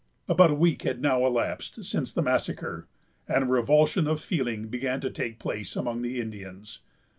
About a week had now elapsed since the massacre, and a revulsion of feeling began to take place among the Indians.